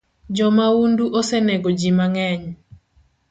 Jo maundu osenego jii mangeny